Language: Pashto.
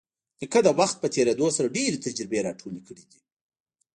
نیکه د وخت په تېرېدو سره ډېرې تجربې راټولې کړي دي.